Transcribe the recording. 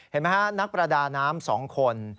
เห็นไหมนักประดาน้ำสองคน